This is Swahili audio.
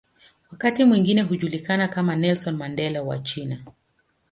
Wakati mwingine hujulikana kama "Nelson Mandela wa China".